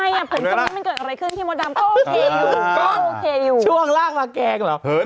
ผมตอนนี้มันเกิดอะไรขึ้นที่มดดำก็โอเคช่วงล่างมาแกล้งเหรอ